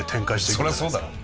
そりゃそうだろお前。